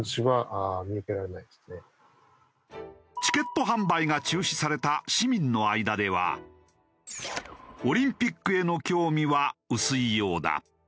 チケット販売が中止された市民の間ではオリンピックへの興味は薄いようだ。